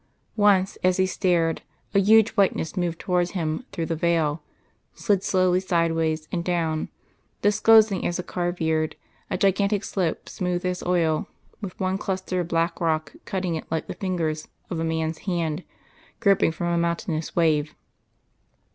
Once, as he stared, a huge whiteness moved towards him through the veil, slid slowly sideways and down, disclosing, as the car veered, a gigantic slope smooth as oil, with one cluster of black rock cutting it like the fingers of a man's hand groping from a mountainous wave.